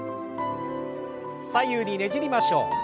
左右にねじりましょう。